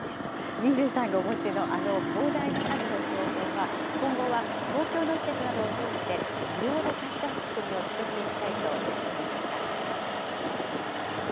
新部さんがお持ちの、あの膨大な数の標本は、今後は公共の施設などを通して、無料で貸し出す仕組みを作っていきたいと話していました。